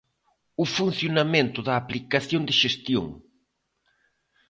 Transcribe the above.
O funcionamento da aplicación de xestión.